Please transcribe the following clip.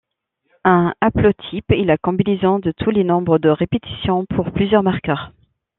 Un haplotype est la combinaison de tous les nombres de répétitions pour plusieurs marqueurs.